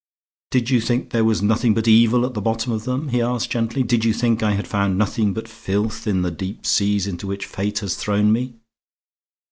"Did you think there was nothing but evil at the bottom of them?" he asked, gently. "Did you think I had found nothing but filth in the deep seas into which fate has thrown me?